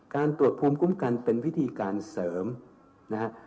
การตรวจภูมิคุ้มกันเป็นพิธีการเสริมนะฮะ